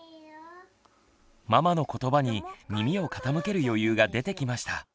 ママのことばに耳を傾ける余裕が出てきました。